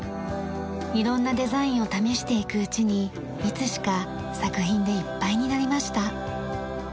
色んなデザインを試していくうちにいつしか作品でいっぱいになりました。